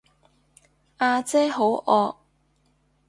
呀姐好惡